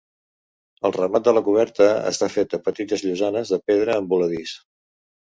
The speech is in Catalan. El remat de la coberta està fet de petites llosanes de pedra en voladís.